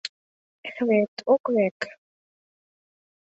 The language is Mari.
Эк вет, ок вет